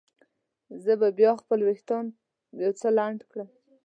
زه به بیا خپل وریښتان یو څه لنډ کړم.